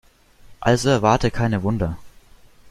Also erwarte keine Wunder.